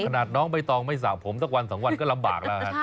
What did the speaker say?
ใช่น้องไม่ต้องสะผมแต่วันสองวันก็ลำบากแล้ว